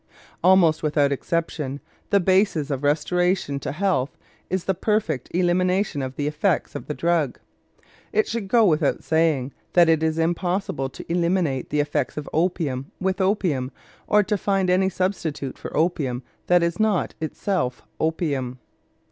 Almost without exception, the basis of restoration to health is the perfect elimination of the effects of the drug. It should go without saying that it is impossible to eliminate the effects of opium with opium or to find any substitute for opium that is not itself opium.